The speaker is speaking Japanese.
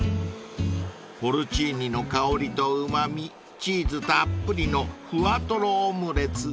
［ポルチーニの香りとうま味チーズたっぷりのふわとろオムレツ］